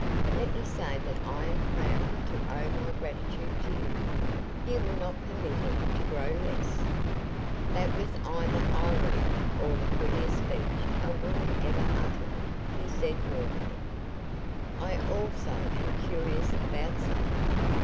Let me say that I am proud to owe my gratitude to you. You will not permit it to grow less." "That was either irony or the prettiest speech a woman ever uttered," he said, warmly. "I also am curious about something.